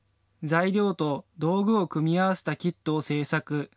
材料と道具を組み合わせたキットを制作。